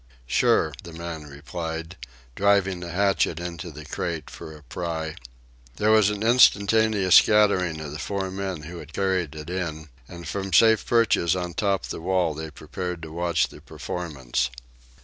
"Sure," the man replied, driving the hatchet into the crate for a pry. There was an instantaneous scattering of the four men who had carried it in, and from safe perches on top the wall they prepared to watch the performance.